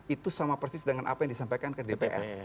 itu sama persis dengan apa yang disampaikan ke dpr